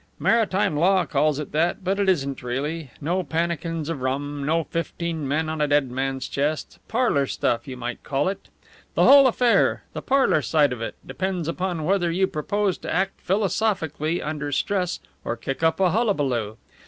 "Maritime law calls it that, but it isn't really. No pannikins of rum, no fifteen men on a dead man's chest. Parlour stuff, you might call it. The whole affair the parlour side of it depends upon whether you purpose to act philosophically under stress or kick up a hullabaloo.